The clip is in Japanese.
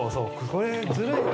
これずるい。